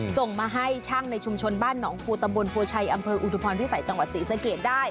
ส่งมาให้ช่างในชุมชนบ้านหนองภูตำบลโพชัยอำเภออุทุพรพิสัยจังหวัดศรีสะเกดได้